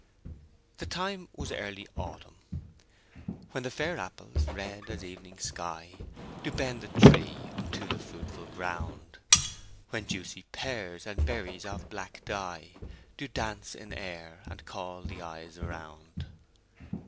The time was early autumn, "When the fair apples, red as evening sky, Do bend the tree unto the fruitful ground, When juicy pears, and berries of black dye, Do dance in air, and call the eyes around."